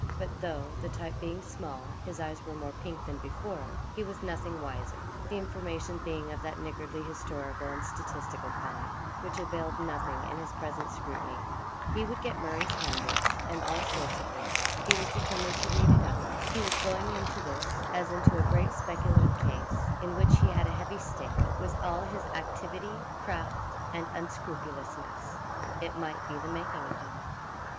But though, the type being small, his eyes were more pink than before, he was nothing wiser, the information being of that niggardly historical and statistical kind which availed nothing in his present scrutiny. He would get Murray's handbooks, and all sorts of works he was determined to read it up. He was going into this as into a great speculative case, in which he had a heavy stake, with all his activity, craft, and unscrupulousness. It might be the making of him.